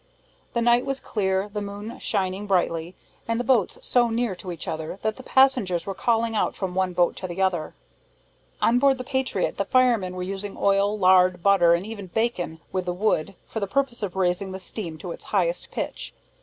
The night was clear, the moon shining brightly, and the boats so near to each other that the passengers were calling out from one boat to the other. On board the Patriot, the firemen were using oil, lard, butter, and even bacon, with the wood, for the purpose of raising the steam to its highest pitch.